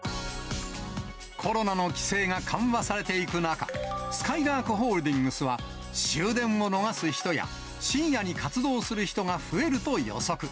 コロナの規制が緩和されていく中、すかいらーくホールディングスは、終電を逃す人や、深夜に活動する人が増えると予測。